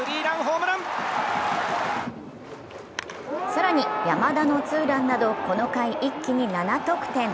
更に山田のツーランなど、この回一気に７得点。